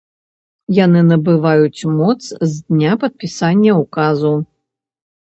Яны набываюць моц з дня падпісання ўказу.